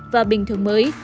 và bình thường mới